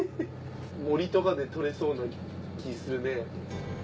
モリとかで取れそうな気するね。